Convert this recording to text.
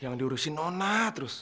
yang diurusin nona terus